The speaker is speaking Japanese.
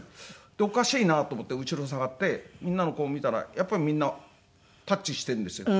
おかしいなと思って後ろ下がってみんなのをこう見たらやっぱりみんなタッチしてるんですよ。